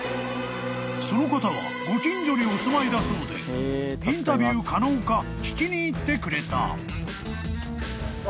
［その方はご近所にお住まいだそうでインタビュー可能か聞きに行ってくれた］